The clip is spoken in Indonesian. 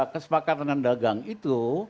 kesepakatan dan dagang itu